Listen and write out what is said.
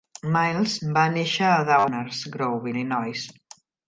Milnes va néixer a Downers Grove, Illinois.